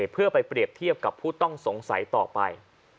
เพื่อไปเปรียบเทียบกับผู้ต้องสงสัยต่อไป